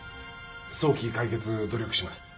早期解決努力します。